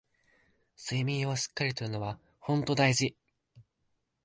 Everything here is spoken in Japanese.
睡眠をしっかり取るのはほんと大事